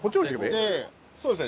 そうですね。